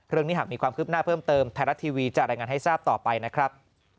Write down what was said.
เรื่องนี้หากมีความคืบหน้าเพิ่มเติมไทยรัฐทีวีจะรายงานให้ทราบต่อไปนะครับ